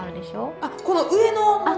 あっこの上のもの？